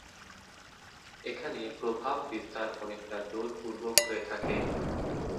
এখানে প্রভাব বিস্তার অনেকটা জোর পূর্বক হয়ে থাকে।